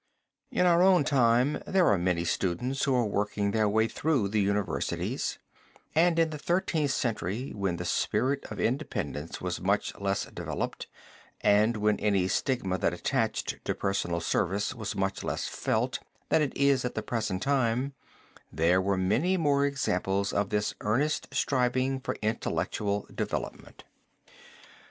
In our own time there are many students who are working their way through the universities, and in the Thirteenth Century when the spirit of independence was much less developed, and when any stigma that attached to personal service was much less felt than it is at the present time, there were many more examples of this earnest striving for intellectual development.